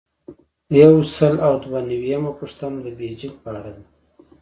یو سل او دوه نوي یمه پوښتنه د بیجک په اړه ده.